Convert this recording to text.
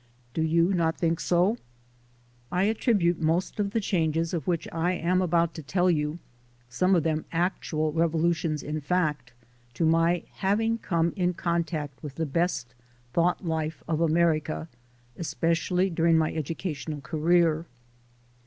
Do you not think so? I attribute most of the changes of which I am about to tell you, some of them actual revolutions in fact, to my having come in contact with the best thought life of America, especially during my edu cational career.